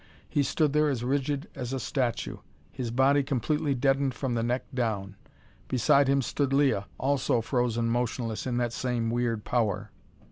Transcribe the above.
He stood there as rigid as a statue, his body completely deadened from the neck down. Beside him stood Leah, also frozen motionless in that same weird power.